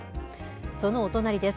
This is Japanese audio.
そのお隣です。